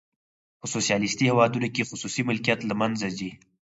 په سوسیالیستي هیوادونو کې خصوصي ملکیت له منځه ځي.